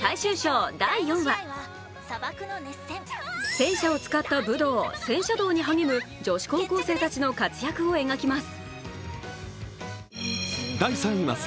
洗車を使った武道・戦車道に励む女子高校生たちの活躍を描きます。